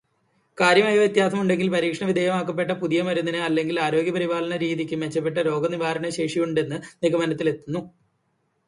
കാര്യമായ വ്യത്യാസമുണ്ടെങ്കിൽ പരീക്ഷണവിധേയമാക്കപ്പെട്ട പുതിയ മരുന്നിന്, അല്ലെങ്കില് ആരോഗ്യപരിപാലന രീതിക്ക് മെച്ചപ്പെട്ട രോഗനിവാരണശേഷിയുണ്ട് എന്ന നിഗമനത്തിലേക്കെത്തുന്നു.